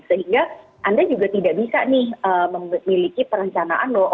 sehingga anda juga tidak bisa nih memiliki perencanaan loh